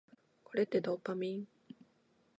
これってドーパミン？